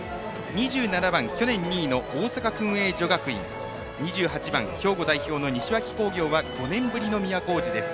２７番、去年２位の大阪薫英女学院２８番、兵庫代表の西脇工業は５年ぶりの都大路です。